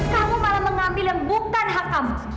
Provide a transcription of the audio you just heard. kamu malah mengambil yang bukan hak kamu